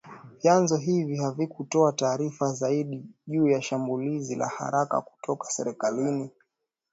Vyanzo hivyo havikutoa taarifa zaidi juu ya shambulizi la haraka kutoka serikalini